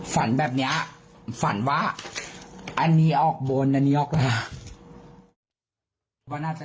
ฝันแบบนี้ฝันว่าอันนี้ออกบนอันนี้ออกมา